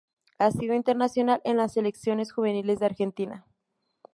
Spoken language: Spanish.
Ha sido internacional en las selecciones juveniles de Argentina.